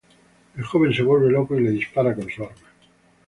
El joven se vuelve loco y le dispara con su arma.